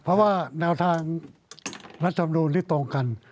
เพราะว่าแนวทางรัฐธรรมนูลที่ตรงกัน